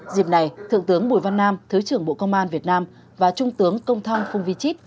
dịp này thượng tướng bùi văn nam thứ trưởng bộ công an việt nam và trung tướng công thông phung vi chít